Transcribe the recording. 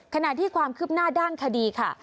ขณะที่ความคืบหน้าด้านคดีค่ะ